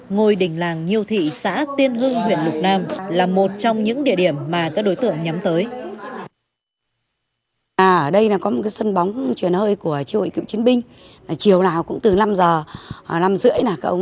ngôi đình làng nhiêu thị xã tiên hưng huyện lục nam là một trong những địa điểm mà các đối tượng nhắm tới